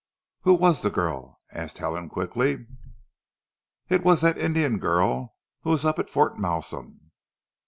"Who was the girl?" asked Helen quickly. "It was that Indian girl who was up at Fort Malsun!"